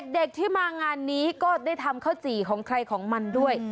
เด็กที่มางานนี้ก็ได้ทำข้าวจี่ของใครของมันด้วย